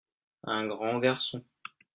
Un grand garçon.